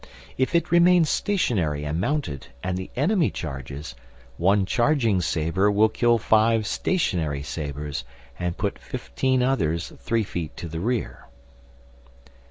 If it remains stationary and mounted and the enemy charges, one charging sabre will kill five stationary sabres and put fifteen others three feet to the rear.